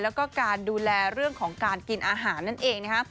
แล้วก็การดูแลเรื่องของการกินอาหารนั่นเองนะคะ